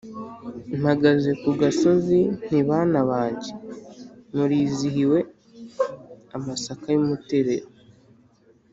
Mpagaze ku gasozi nti bana banjye murizihiwe-Amasaka y'umuterero.